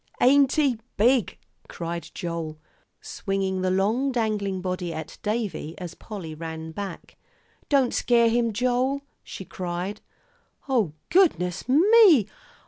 "Ain't he big?" cried Joel, swinging the long dangling body at Davie as Polly ran back. "Don't scare him, Joel," she cried. "O goodness me!